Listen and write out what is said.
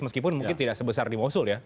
meskipun mungkin tidak sebesar di mosul ya